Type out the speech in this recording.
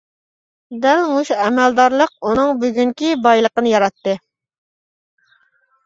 دەل مۇشۇ ئەمەلدارلىق ئۇنىڭ بۈگۈنكى بايلىقىنى ياراتتى.